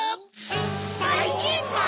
・ばいきんまん！